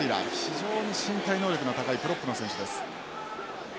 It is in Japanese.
非常に身体能力の高いプロップの選手です。